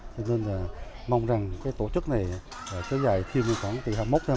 thế nên là mong rằng cái tổ chức này sẽ dài thêm khoảng từ hai mươi một hai mươi năm